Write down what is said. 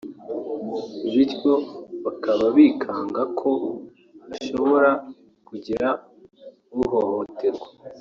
bityo bakaba bikanga ko hashobora kuzagira uhohoterwa